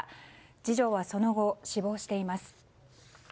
次女はその後死亡しています。